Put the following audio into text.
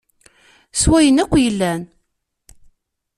S wayen akk yellan.